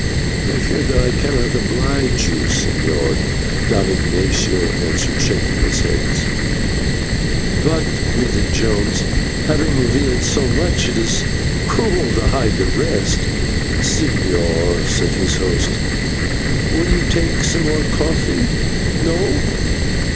"I fear that I cannot oblige you, señor," Don Ignatio answered, shaking his head. "But," pleaded Jones, "having revealed so much, it is cruel to hide the rest." "Señor," said his host, "will you take some more coffee? No.